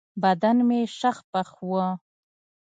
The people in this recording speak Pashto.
بدن مې شخ پخ و.